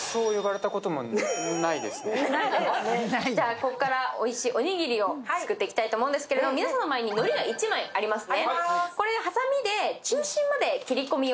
ここからおいしいおにぎりを作っていきたいと思うんですけれども、皆さんの前に、のりが１枚ありますね。